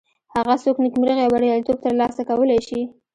هغه څوک نیکمرغي او بریالیتوب تر لاسه کولی شي.